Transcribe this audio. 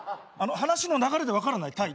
話の流れで分からない？